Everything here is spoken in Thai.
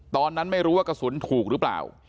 ตอนนั้นไม่รู้ว่ากระสุนถูกหรือเปล่า